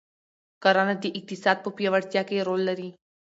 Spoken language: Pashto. کرنه د اقتصاد په پیاوړتیا کې رول لري.